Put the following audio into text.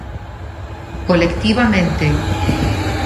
Colectivamente.